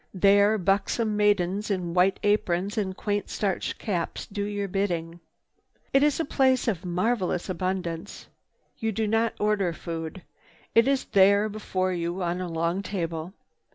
There buxom maidens in white aprons and quaint starched caps do your bidding. It is a place of marvelous abundance. You do not order food. It is there before you on a long table.